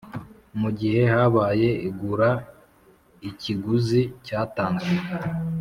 Mu gihe habaye igura ikiguzi cyatanzwe